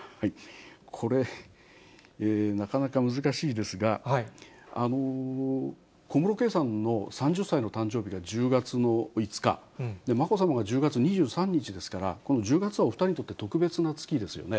これ、なかなか難しいですが、小室圭さんの３０歳の誕生日が１０月の５日、まこさまが１０月２３日ですから、この１０月はお２人にとって特別な月ですよね。